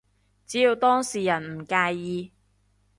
只要當事人唔介意